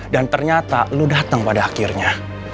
dan ternyata lo dateng pada akhirnya